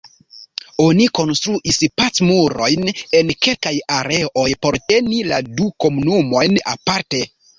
Oni konstruis "Pacmurojn" en kelkaj areoj por teni la du komunumojn aparte.